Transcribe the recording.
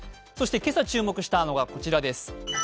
今朝注目したのがこちらです。